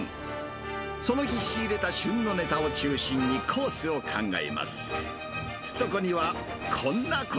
その日仕入れた旬のネタを中心に、コースを考えます。